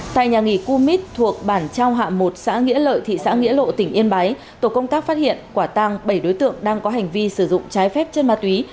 tại nhà nghỉ cumit thuộc bản trao hạ một xã nghĩa lợi thị xã nghĩa lộ tỉnh yên bái tổ công tác phát hiện quả tăng bảy đối tượng đang có hành vi sử dụng trái phép chân ma túy